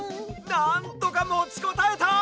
なんとかもちこたえた！